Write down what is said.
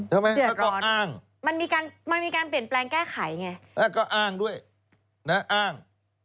เดือดร้อนมันมีการเปลี่ยนแปลงแก้ไขไงแล้วก็อ้างด้วยนะอ้าง